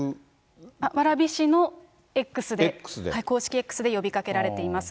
蕨市のＸで、公式Ｘで呼びかけられています。